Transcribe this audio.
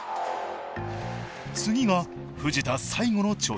次が藤田最後の挑戦。